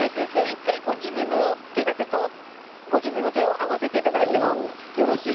一回自分の手形とご自分の手を合わせて頂いてもよろしいですか？